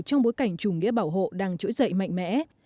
trong bối cảnh chủ nghĩa bảo hộ đang trỗi dậy mạnh mẽ